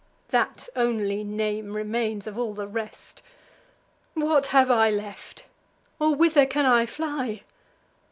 (That only name remains of all the rest!) What have I left? or whither can I fly?